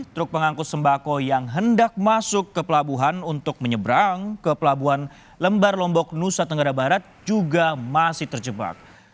truk pengangkut sembako yang hendak masuk ke pelabuhan untuk menyeberang ke pelabuhan lembar lombok nusa tenggara barat juga masih terjebak